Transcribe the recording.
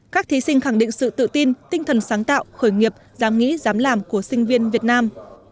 các thí sinh khẳng định sự tự tin tinh thần sáng tạo khởi nghiệp dám nghĩ dám làm của sinh viên việt nam